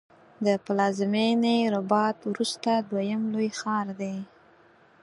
د پلازمېنې رباط وروسته دویم لوی ښار دی.